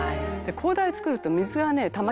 「高台を作ると水がねたまっちゃうの」